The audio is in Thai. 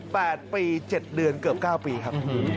๘ปี๗เดือนเกือบ๙ปีครับ